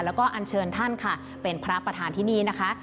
แล้วก็อันเชิญท่านค่ะเป็นพระประธานที่นี่นะคะ